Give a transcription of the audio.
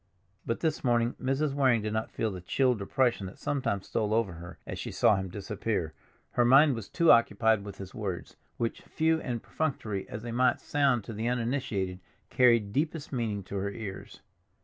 But this morning Mrs. Waring did not feel the chill depression that sometimes stole over her as she saw him disappear; her mind was too occupied with his words, which, few and perfunctory as they might sound to the uninitiated, carried deepest meaning to her ears.